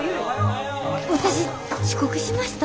私遅刻しました？